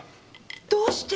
どうして！？